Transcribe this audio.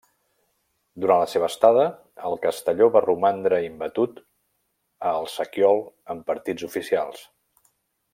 Durant la seva estada el Castelló va romandre imbatut a El sequiol en partits oficials.